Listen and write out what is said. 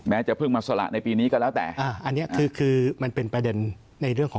แม้จะเพิ่งมาสละในปีนี้ก็แล้วแต่